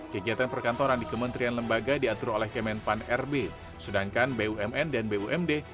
kegiatan perbelanjaan sektor esensial restoran pusat perbelanjaan hingga tempat ibadah